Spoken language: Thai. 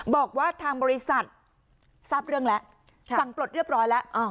บอกว่าทางบริษัททราบเรื่องแล้วสั่งปลดเรียบร้อยแล้ว